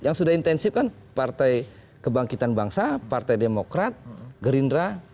yang sudah intensif kan partai kebangkitan bangsa partai demokrat gerindra